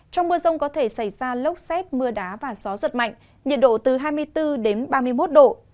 trong mưa rông có thể xảy ra lốc xét mưa đá và gió giật mạnh nhiệt độ từ hai mươi bốn đến ba mươi một độ